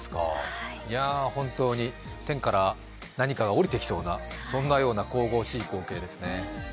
本当に天から何かが降りてきそうな神々しい風景ですね。